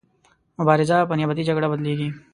مبارزه په نیابتي جګړه بدلیږي.